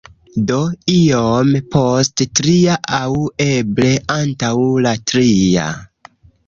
Do, iom post tria aŭ eble antaŭ la tria